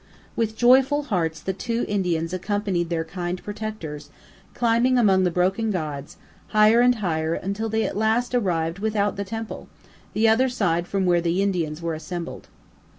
With joyful hearts the two Indians accompanied their kind protectors, climbing among the broken gods, higher and higher, until they at last arrived without the temple, the other side from where the Indians were assembled.